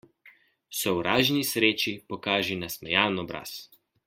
Sovražni sreči pokaži nasmejan obraz.